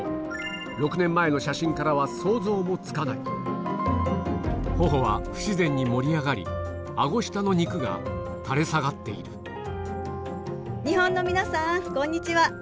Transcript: ６年前の写真からは想像もつかない頬は不自然に盛り上がり顎下の肉が垂れ下がっている日本の皆さんこんにちは。